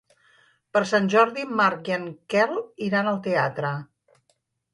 Per Sant Jordi en Marc i en Quel iran al teatre.